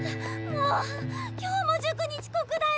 もう今日も塾にちこくだよ！